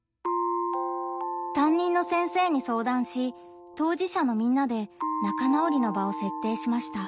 担任の先生に相談し当事者のみんなで仲直りの場を設定しました。